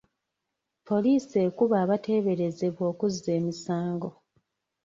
Poliisi ekuba abateeberezebwa okuzza emisango.